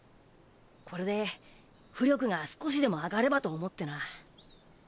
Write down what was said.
これで巫力が少しでも上がればと思ってな。